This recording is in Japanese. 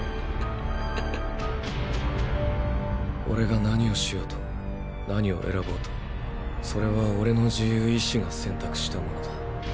オレが何をしようと何を選ぼうとそれはオレの自由意思が選択したものだ。